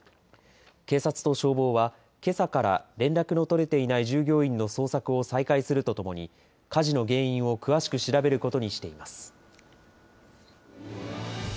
警察と消防はけさから連絡の取れていない従業員の捜索を再開するとともに、火事の原因を詳しく調べることにしています。